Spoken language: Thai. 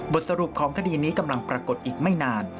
สรุปของคดีนี้กำลังปรากฏอีกไม่นาน